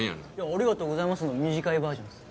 「ありがとうございます」の短いバージョンです。